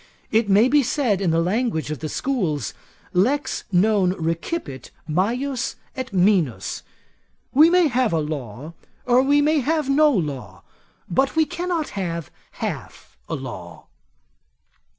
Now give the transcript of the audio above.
It may be said, in the language of the schools, Lex non recipit majus et minus, we may have a law, or we may have no law, but we cannot have half a law.